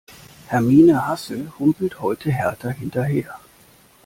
Hermine Hassel humpelt heute Hertha hinterher.